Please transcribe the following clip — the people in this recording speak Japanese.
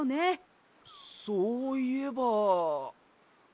そういえば。